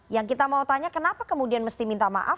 yang kita mau tanya kenapa kemudian mesti minta maaf